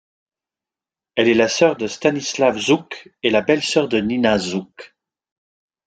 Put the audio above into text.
Elle est la sœur de Stanislav Zhuk et la belle-sœur de Nina Zhuk.